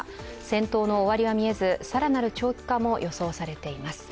戦闘の終わりは見えず、更なる長期化も予想されています。